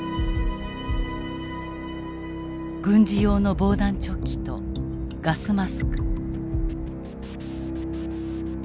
軍事用の防弾チョッキとガスマスク。